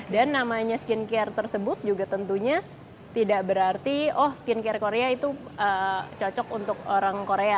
dan namanya skincare tersebut juga tentunya tidak berarti oh skincare korea itu cocok untuk orang korea